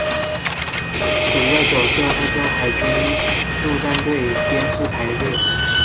主要角色按照海军陆战队编制排列。